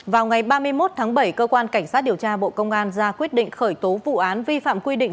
vào ngày ba mươi một tháng bảy cơ quan cảnh sát điều tra bộ công an ra quyết định khởi tố vụ án vi phạm quy định